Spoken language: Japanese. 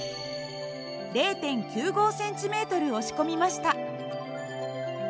０．９５ｃｍ押し込みました。